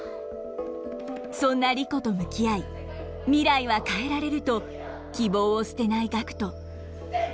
そんなリコと向き合い未来は変えられると希望を捨てないガクト。